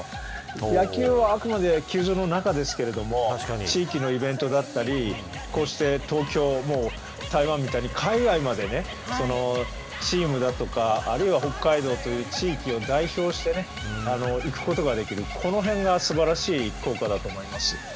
野球はあくまで球場の中ですが地域のイベントだったりこうして東京も台湾みたいに海外までチームだとか、あるいは北海道という地域を代表して行くことができる、このへんが素晴らしいことだと思います。